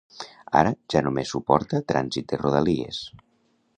Ara, ja només suporta trànsit de rodalies.